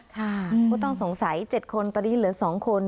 ผู้ต้องสงสัย๗คนตอนนี้เหลือ๒คน